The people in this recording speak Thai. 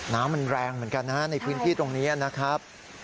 น้ำมันแรงเหมือนกันนะฮะในพื้นที่ตรงนี้นะครับ